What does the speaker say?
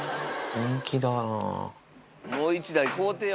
人気だな。